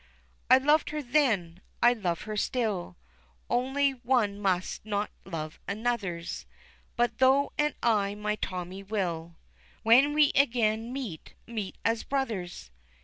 I loved her then I'd love her still, Only one must not love Another's: But thou and I, my Tommy, will, When we again meet, meet as brothers.